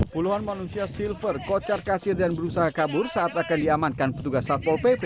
puluhan manusia silver kocar kacir dan berusaha kabur saat akan diamankan petugas satpol pp